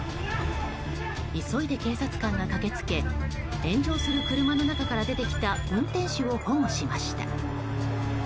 急いで警察官が駆け付け炎上する車の中から出てきた運転手を保護しました。